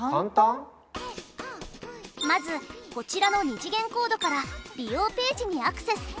まずこちらの２次元コードから利用ページにアクセス。